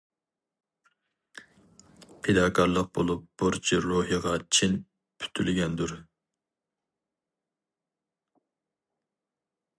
پىداكارلىق بولۇپ بۇرچى روھىغا چىن پۈتۈلگەندۇر.